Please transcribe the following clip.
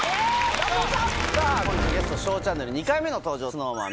本日のゲスト『ＳＨＯＷチャンネル』２回目の登場ＳｎｏｗＭａｎ